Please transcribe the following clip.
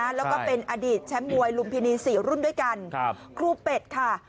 ตั้งแต่จะเป็นอดีตแชมป์มวยลุมพิณีสี่รุ่นกันครูเป็ดค่ะ